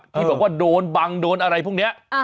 ที่บอกว่าโดนบังโดนอะไรพวกนี้